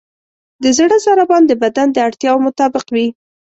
د زړه ضربان د بدن د اړتیاوو مطابق وي.